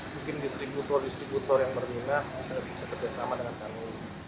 mungkin distributor distributor yang berminat bisa kerjasama dengan kami